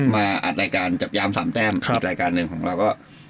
มาอัดรายการจับยามสามแต้มอีกรายการหนึ่งของเราก็